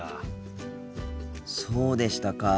そうでしたか。